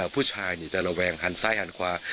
ผู้ชายจะระแวงหันซ้ายหันขวา